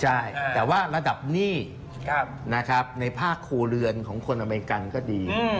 ใช่แต่ว่าระดับหนี้นะครับในภาคครัวเรือนของคนอเมริกันก็ดี